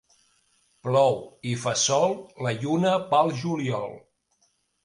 Plou i fa sol, la lluna pel juliol.